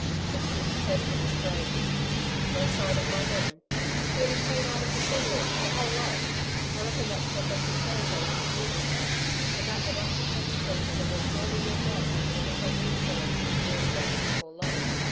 McKeith cursed in his throat. 'No sign of my men?' 'Scooted clean out of the scenery the whole lot. I reckon that's what they shook hands on with the Union chaps, and that the natural consequences of absorbing your grog will be another woolshed or two burned down before long.